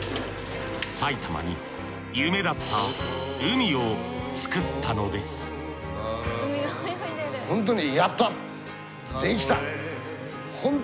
埼玉に夢だった海を作ったのです本当に。